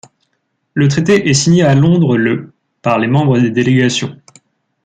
Le traité est signé à Londres le par les membres des délégations.